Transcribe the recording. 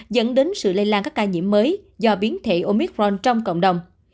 dẫn đến sự lây lan các ca nhiễm mới do biến thể omicron trong cộng đồng